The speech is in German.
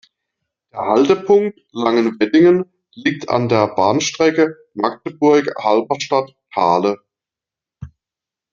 Der Haltepunkt "Langenweddingen" liegt an der Bahnstrecke Magdeburg–Halberstadt–Thale.